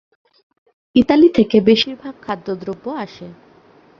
Italy থেকে বেশির ভাগ খাদ্যদ্রব্য আসে।